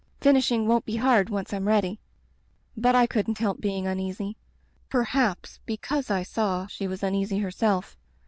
Finishing won't be hard once Fm ready/ "But I couldn't help being uneasy; per haps because I saw she was uneasy herself.